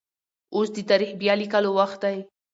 اوس د تاريخ بيا ليکلو وخت دی.